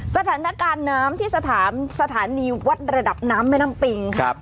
สถานการณ์น้ำที่สถานีวัดระดับน้ำแม่น้ำปิงครับ